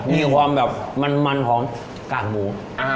มีความแบบมันของกากหมู